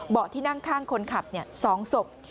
ที่นั่งข้างคนขับ๒ศพ